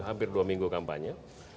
hampir dua minggu kampanye